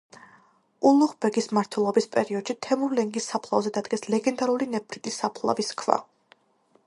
ულუღ ბეგის მმართველობის პერიოდში თემურლენგის საფლავზე დადგეს ლეგენდარული ნეფრიტის საფლავის ქვა.